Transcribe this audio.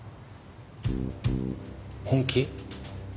本気？